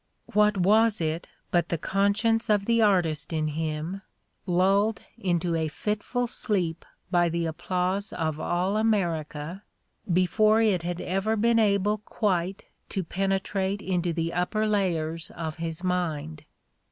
What was it but the conscience of the artist in him, lulled into a fitful sleep by the applause of all America before it had ever been able quite to penetrate into the upper layers of his mind